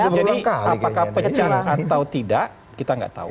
jadi apakah pecah atau tidak kita nggak tahu